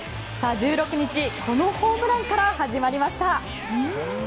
１６日、このホームランから始まりました。